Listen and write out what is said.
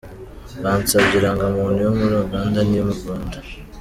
Bansabye Irangamuntu yo muri Uganda n’iyo mu Rwanda.”